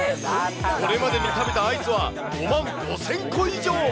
これまでに食べたアイスは５万５０００個以上。